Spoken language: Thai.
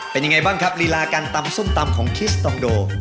เป็นยังไงบ้างครับลีลาการตำส้มตำของคิสตองโด